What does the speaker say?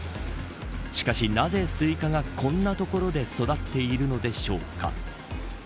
しかし、なぜスイカがこんな所で育っているのでしょうか。